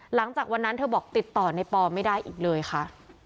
หลังจากวันนั้นเธอบอกติดต่อในปอไม่ได้อีกเลยค่ะ